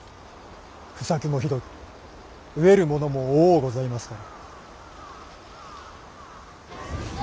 不作もひどく飢えるものも多うございますから。